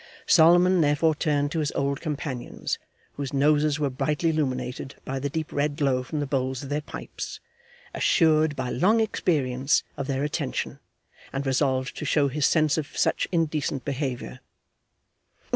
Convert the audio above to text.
Solomon therefore turned to his old companions, whose noses were brightly illuminated by the deep red glow from the bowls of their pipes; assured, by long experience, of their attention, and resolved to show his sense of such indecent behaviour.